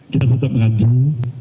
kita tetap mengandung